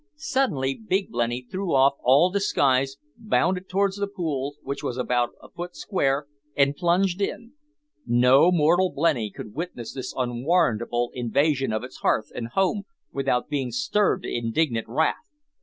Suddenly Big Blenny threw off all disguise, bounded towards the pool, which was about a foot square, and plunged in. No mortal blenny could witness this unwarrantable invasion of its hearth and home without being stirred to indignant wrath.